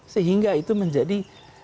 sehingga itu menjadi